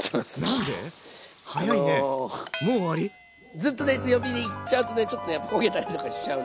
沸騰したらずっとね強火でいっちゃうとちょっとやっぱ焦げたりとかしちゃうんで。